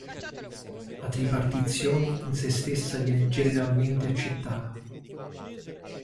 La tripartizione in sé stessa viene generalmente accettata.